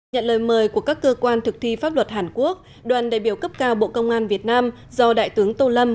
nhận lời mời của các cơ quan thực thi pháp luật hàn quốc đoàn đại biểu cấp cao bộ công an việt nam do đại tướng tô lâm